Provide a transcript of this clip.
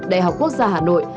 đại học quốc gia hà nội